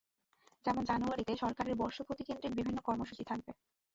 যেমন জানুয়ারিতে সরকারের বর্ষপূর্তিকেন্দ্রিক বিভিন্ন কর্মসূচি থাকবে।